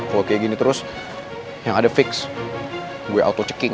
kalau kayak gini terus yang ada fix gue auto checking